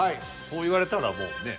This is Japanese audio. そう言われたらもうね。